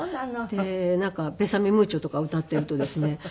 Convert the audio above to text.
でなんか『ベサメ・ムーチョ』とか歌っているとですね